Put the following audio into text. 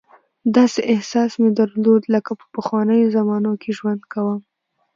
داسې احساس مې درلود لکه په پخوانیو زمانو کې ژوند کوم.